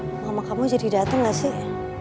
mama kamu jadi datang gak sih